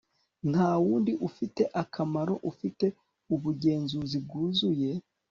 ntawundi ufite akamaro, ufite ubugenzuzi bwuzuye